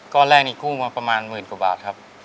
แรกนี้กู้มาประมาณหมื่นกว่าบาทครับ